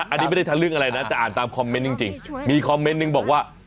ยังไม่ได้ทันเรื่องอะไรนะ